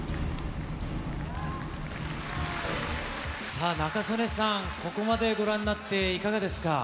さあ、仲宗根さん、ここまでご覧になって、いかがですか？